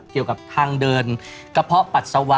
เกี่ยวกับทางเดินกระเพาะปัสสาวะ